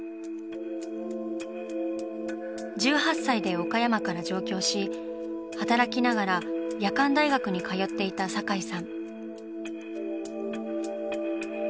１８歳で岡山から上京し働きながら夜間大学に通っていた堺さん。